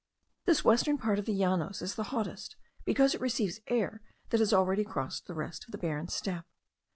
This western part of the Llanos is the hottest, because it receives air that has already crossed the rest of the barren steppe.